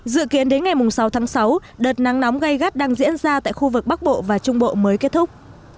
dự kiến đến ngày sáu tháng sáu đợt nắng nóng gây gắt đang diễn ra tại khu vực bắc bộ và trung bộ mới kết thúc